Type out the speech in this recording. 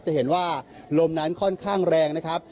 จะเห็นว่าลมนั้นค่อนข้างแรงนะครับ